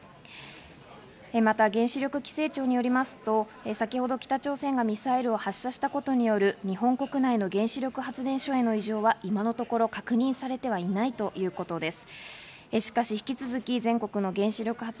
また原子力規制庁によりますと、先ほど北朝鮮がミサイルを発射したことによる日本国内の原子力発電所への異常は今のところ確認されてはいないということです。